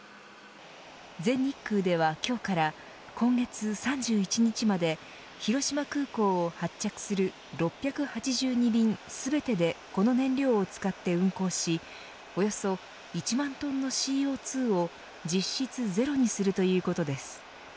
全日空では今日から今月３１日まで広島空港を発着する６８２便全てでこの燃料を使って運航しおよそ１万トンのＣＯ２を実質ゼロにするということです。